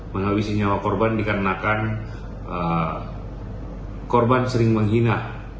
menghabisi nyawa korban dikarenakan korban sering menghina